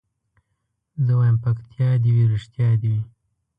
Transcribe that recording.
زه وايم پکتيا دي وي رښتيا دي وي